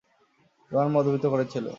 রোহান মধ্যবিত্ত ঘরের ছেলে।